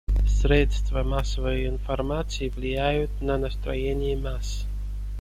Средства массовой информации влияют на настроение масс.